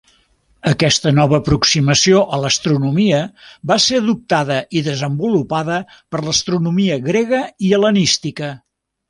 Aquesta nova aproximació a l'astronomia va ser adoptada i desenvolupada per l'astronomia grega i hel·lenística.